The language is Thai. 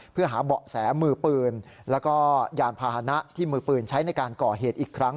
เพื่อหาเบาะแสมือปืนแล้วก็ยานพาหนะที่มือปืนใช้ในการก่อเหตุอีกครั้ง